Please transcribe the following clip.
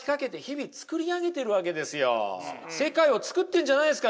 世界をつくってんじゃないですか？